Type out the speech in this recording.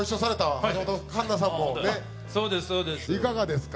昨年いかがですか？